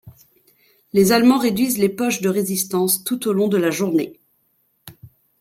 Les Allemands réduisent les poches de résistance, tout au long de la journée.